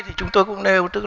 thì chúng tôi cũng nêu